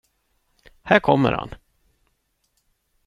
Här kommer han.